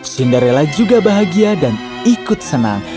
cinderella juga bahagia dan ikut senang